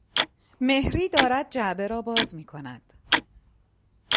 مهری دارد جعبه را باز میکند.